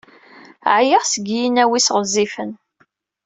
Ɛyiɣ seg yinaw-is ɣezzifen.